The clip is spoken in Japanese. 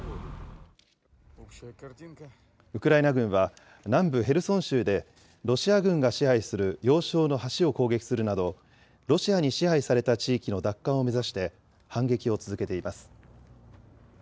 ウクライナ軍は南部ヘルソン州で、ロシア軍が支配する要衝の橋を攻撃するなど、ロシアに支配された地域の奪還を目指して、反撃を続けています。